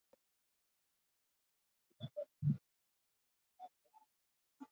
Zer gertatu behar zen gure diasporarekin harrera herriek errefusatu izan balute?